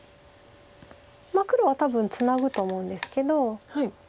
黒は多分ツナぐと思うんですけど。